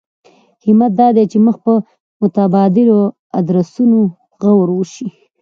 همت دا دی چې مخ پر متبادلو ادرسونو غور وشي.